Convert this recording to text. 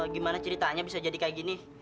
gimana ceritanya bisa jadi kayak gini